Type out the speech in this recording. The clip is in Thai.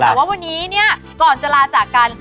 แต่ว่าวันนี้เนี่ยก่อนจะลาจากกัน